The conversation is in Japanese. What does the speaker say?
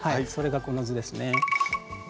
それがこの図ですね。